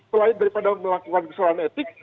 selain daripada melakukan kesalahan etik